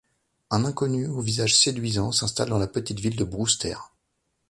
Un inconnu au visage séduisant s'installe dans la petite ville de Brewster.